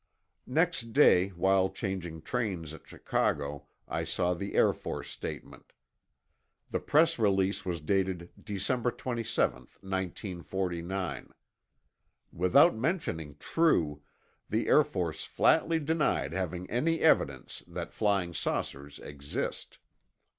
Next day, while changing trains at Chicago, I saw the Air Force statement. The press release was dated December 27, 1949. Without mentioning True, the Air Force flatly denied having any evidence that flying saucers exist.